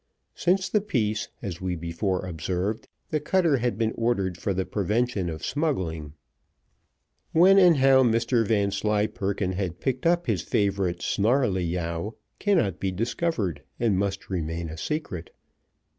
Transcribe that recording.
Since the peace, as we before observed, the cutter had been ordered for the prevention of smuggling. [Footnote 1: Pleasure House.] When and how Mr Vanslyperken had picked up his favourite Snarleyyow cannot be discovered, and must remain a secret.